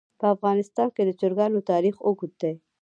په افغانستان کې د چرګانو تاریخ اوږد دی.